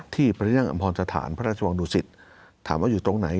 ที่พระนั่งอำพรสถานพระราชวังดุสิตถามว่าอยู่ตรงไหน